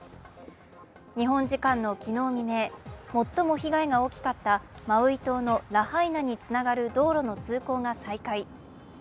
日本時間の昨日未明、最も被害が大きかったマウイ島のラハイナにつながる道路の通行が再開。